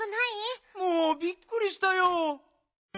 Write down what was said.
もうびっくりしたよ。